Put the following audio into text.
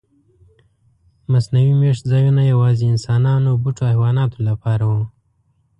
مصنوعي میشت ځایونه یواځې انسانانو، بوټو او حیواناتو لپاره و.